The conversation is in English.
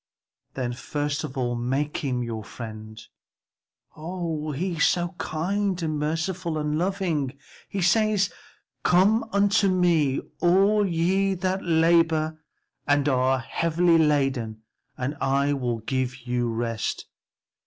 "Then first of all make him your friend; oh, he is so kind and merciful and loving. He says, 'Come unto me, all ye that labor and are heavy laden, and I will give you rest.'